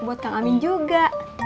buat kang amin juga